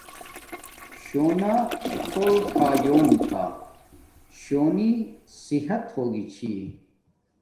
شونا پھول کھایوم تا شونی صحت ہوگی چھی